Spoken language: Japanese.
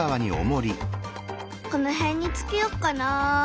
この辺につけよっかな。